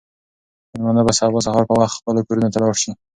مېلمانه به سبا سهار په وخت خپلو کورونو ته لاړ شي.